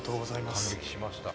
伊達：感激しました。